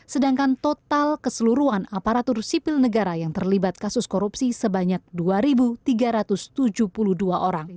sedangkan total keseluruhan aparatur sipil negara yang terlibat kasus korupsi sebanyak dua tiga ratus tujuh puluh dua orang